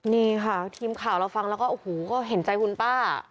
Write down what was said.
นี่ค่ะทีมข่าวเราฟังแล้วก็โอ้โหก็เห็นใจคุณป้า